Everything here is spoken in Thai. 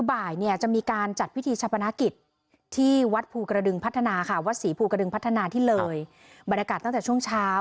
ว่าสีภูกระดึงพัฒนาที่เลยบรรยากาศตั้งแต่ช่วงเช้า